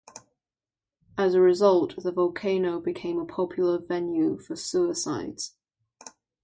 As a result, the volcano became a popular venue for suicides.